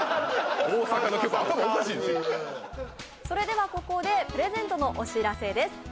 それではここでプレゼントのお知らせです